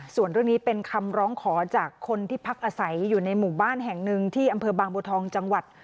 ส่วนเรื่องนี้เป็นคำร้องขอจากคนที่พักอาศัยอยู่ในหมู่บ้านแห่งหนึ่งที่อำเภอบางบัวทองจังหวัด